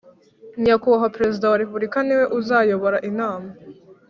Nyakubahwa Perezida wa Repubulika niwe uzayobora inama.